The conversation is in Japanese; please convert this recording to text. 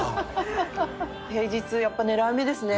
平日やっぱ狙い目ですね。